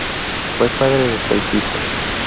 Fue padre de seis hijos.